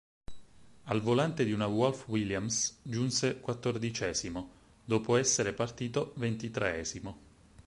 Al volante di una Wolf-Williams giunse quattordicesimo, dopo essere partito ventitreesimo.